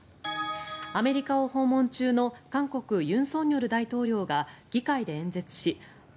アメリカを訪問中の韓国尹錫悦大統領が議会で演説し対